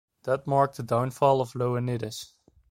That marked the downfall of Ioannidis.